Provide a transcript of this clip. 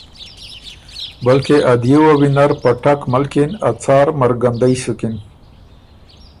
که ا دیو وه وینر په ټک ملکِن ا څار مرګندئ سُکِن۔